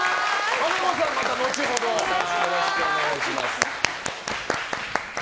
和歌子さん、また後ほどよろしくお願いします。